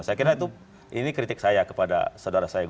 saya kira itu kritik saya kepada saudara saya